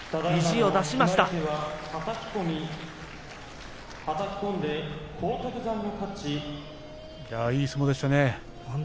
いやあ、いい相撲でしたね。